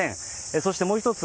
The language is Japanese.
そして、もう１つ。